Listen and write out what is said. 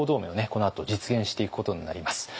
このあと実現していくことになります。